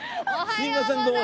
すいませんどうも。